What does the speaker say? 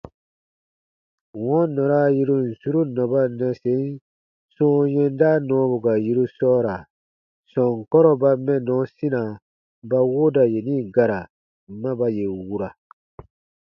Wɔ̃ɔ nɔra yirun suru nɔba nnɛsen sɔ̃ɔ yɛnda nɔɔbu ka yiru sɔɔra sɔnkɔrɔ ba mɛnnɔ sina ba wooda yeni gara ma ba yè wura.